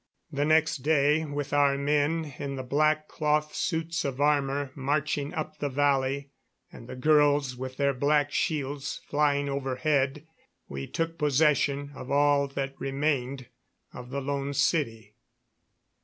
The next day, with our men in the black cloth suits of armor marching up the valley, and the girls with their black shields flying overhead, we took possession of all that remained of the Lone City.